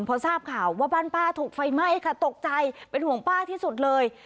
พอทราบข่าวว่าบ้านป้าถูกไฟไหม้ค่ะตกใจเป็นห่วงป้าที่สุดเลย